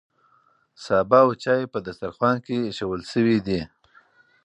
سابه او چای په دسترخوان کې ایښودل شوي دي.